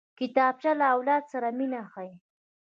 کتابچه له اولاد سره مینه ښيي